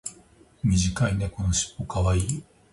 短い猫のしっぽ可愛い。